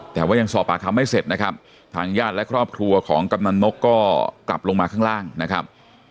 แต่ว่ายังสอบปากคำไม่เสร็จนะครับทางญาติและครอบครัวของกำนันนกก็กลับลงมาข้างล่างนะครับ